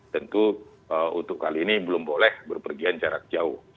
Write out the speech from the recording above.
tentu untuk kali ini belum boleh berpergian jarak jauh